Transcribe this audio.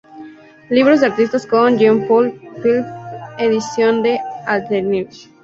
Libros de artista con Jean-Paul Philippe, ediciones de l’Attentive.